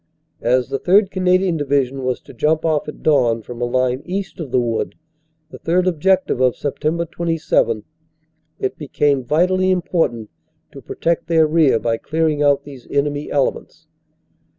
As the 3rd. Cana dian Division was to jump off at dawn from a line east of the wood the third objective of Sept. 27 it became vitally important to protect their rear by clearing out these enemy elements.